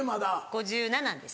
５７です。